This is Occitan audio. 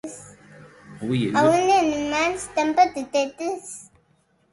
Tar an auie ues mans tan petitetes!